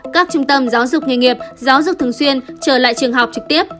các trung tâm giáo dục nghề nghiệp giáo dục thường xuyên trở lại trường học trực tiếp